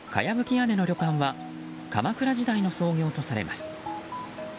屋根の旅館は鎌倉時代の創業とされます。